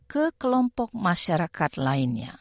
ke kelompok masyarakat lainnya